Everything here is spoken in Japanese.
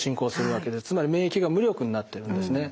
つまり免疫が無力になっているんですね。